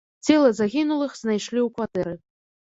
Целы загінулых знайшлі ў кватэры.